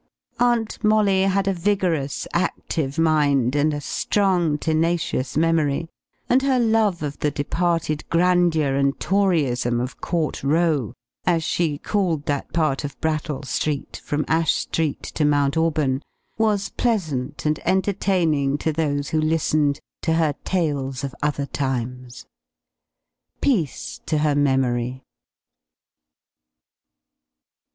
Aunt Molly had a vigorous, active mind, and a strong, tenacious memory; and her love of the departed grandeur and Toryism of Court Row, as she called that part of Brattle Street from Ash Street to Mount Auburn, was pleasant and entertaining to those who listened to her tales of other times. Peace to her memory!